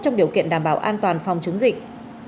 trong điều kiện đảm bảo an toàn phòng chống dịch